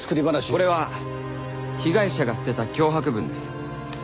これは被害者が捨てた脅迫文です。